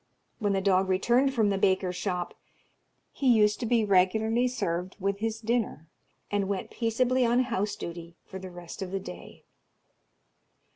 When the dog returned from the baker's shop, he used to be regularly served with his dinner, and went peaceably on house duty for the rest of the day.